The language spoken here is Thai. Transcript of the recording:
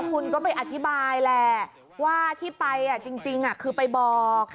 คุณก็ไปอธิบายแหละว่าที่ไปจริงคือไปบอก